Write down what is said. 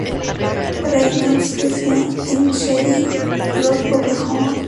Reynolds creció en Shady Grove, Oklahoma.